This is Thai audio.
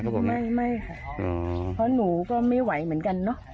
ไม่ค่ะเพราะหนูก็ไม่ไหวเหมือนกันเนอะ